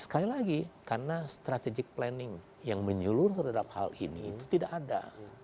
sekali lagi karena strategic planning yang menyeluruh terhadap hal ini itu tidak ada